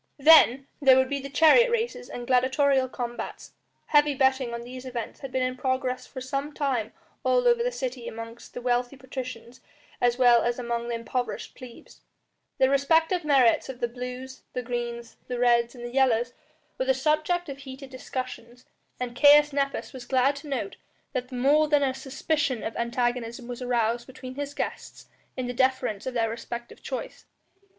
Then there would be the chariot races and gladiatorial combats; heavy betting on these events had been in progress for some time all over the city among the wealthy patricians as well as among the impoverished plebs; the respective merits of the blues, the greens, the reds, and the yellows were the subject of heated discussions, and Caius Nepos was glad to note that more than a suspicion of antagonism was aroused between his guests in the defence of their respective choice.